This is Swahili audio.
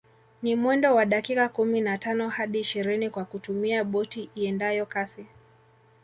Ni mwendo wa dakika kumi na tano hadi ishirini kwa kutumia boti iendayo kasi